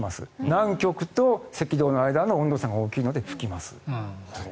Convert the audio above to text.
南極と赤道の間の温度差が大きいので吹きます。